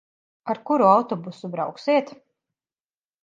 Ar kuru autobusu brauksiet?